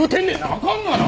あかんがな！